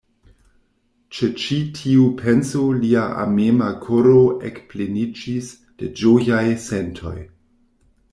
Ĉe ĉi tiu penso lia amema koro ekpleniĝis de ĝojaj sentoj.